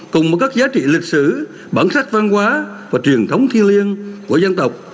cùng với các giá trị lịch sử bản sắc văn hóa và truyền thống thiên liêng của dân tộc